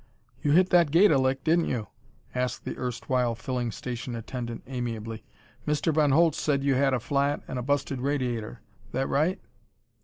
"You hit that gate a lick, didn't you?" asked the erstwhile filling station attendant amiably. "Mr. Von Holtz said you had a flat and a busted radiator. That right?"